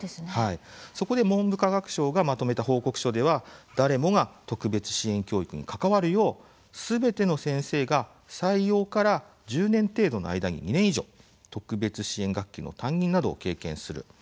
そこで文部科学省がまとめた報告書では誰もが特別支援教育に関わるようすべての先生が採用から１０年程度の間に２年以上特別支援学級の担任などを経験する。